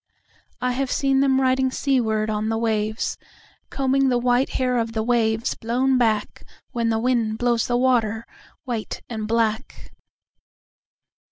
I have seen them riding seaward on the wavesCombing the white hair of the waves blown backWhen the wind blows the water white and black.